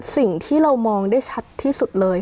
สิ่งที่เรามองได้ชัดที่สุดเลย